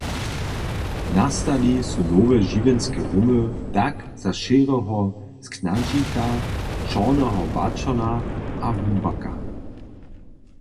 Nastali su nowe žiwjenske rumy, tak za šěreho sknadźika, čorneho baćona a humpaka.